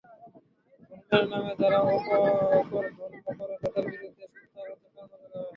ধর্মের নামে যারা অধর্ম করে তাদের বিরুদ্ধে সোচ্চার হতে প্রেরণা জোগাবেন।